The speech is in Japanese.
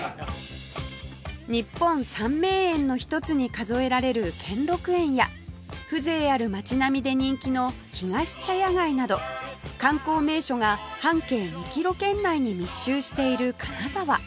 日本三名園の一つに数えられる兼六園や風情ある街並みで人気のひがし茶屋街など観光名所が半径２キロ圏内に密集している金沢